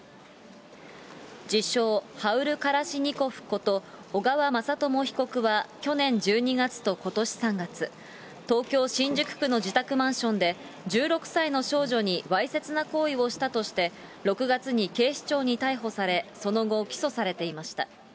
自称、ハウル・カラシニコフこと、小川雅朝被告は去年１２月とことし３月、東京・新宿区の自宅マンションで、１６歳の少女にわいせつな行為をしたとして、６月に警視庁に逮捕され、その後、起訴されていました。